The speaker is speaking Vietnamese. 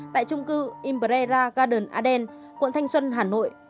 tại trung cư imbrera garden aden quận thanh xuân hà nội